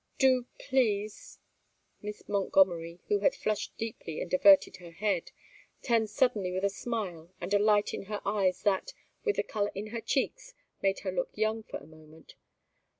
Do please " Miss Montgomery, who had flushed deeply and averted her head, turned suddenly with a smile and a light in her eyes that, with the color in her cheeks, made her look young for a moment.